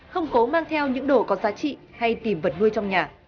không cố mang theo những đồ có giá trị hay tìm vật nuôi trong nhà